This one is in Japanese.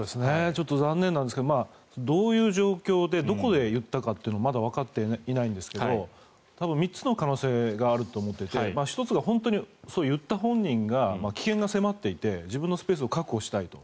ちょっと残念ですがどういう状況でどこで言ったかというのはまだわかっていないんですけど３つの可能性があると思っていて１つが本当に言った本人が危険が迫っていて自分のスペースを確保したいと。